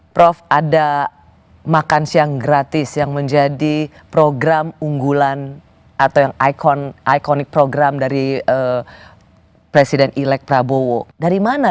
pak raja terangkan pada kami dari mana